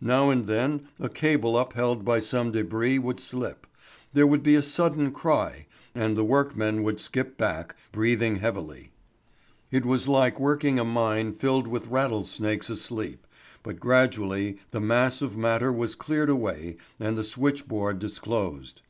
Now and then a cable upheld by some débris would slip; there would be a sudden cry, and the workmen would skip back, breathing heavily. It was like working a mine filled with rattlesnakes asleep; but gradually the mass of matter was cleared away and the switchboard disclosed.